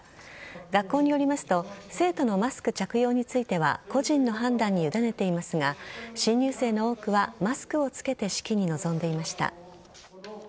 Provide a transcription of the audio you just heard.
学校によりますと生徒のマスク着用については個人の判断に委ねていますが新入生の多くはマスクを着けて式に臨んでいました。